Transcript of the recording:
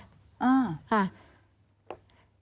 อ่า